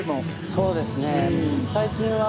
そうですね最近は。